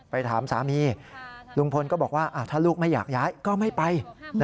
ถามสามีลุงพลก็บอกว่าถ้าลูกไม่อยากย้ายก็ไม่ไป